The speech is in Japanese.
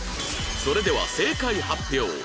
それでは正解発表